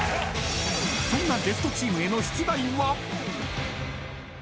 ［そんなゲストチームへの出題は］